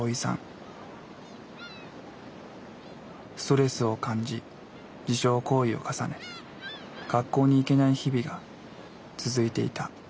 ストレスを感じ自傷行為を重ね学校に行けない日々が続いていた。